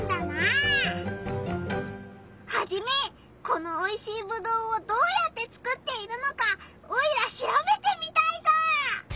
このおいしいぶどうをどうやってつくっているのかオイラしらべてみたいぞ！